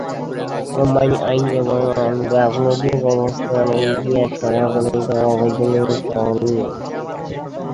Roman আইন এবং রাজনৈতিক ব্যবস্থার ইতিহাস সংরক্ষণে তার অবদান স্মরণীয়।